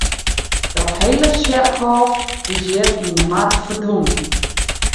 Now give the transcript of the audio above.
Dat hele tsjerkhôf is hjir yn de mar ferdwûn.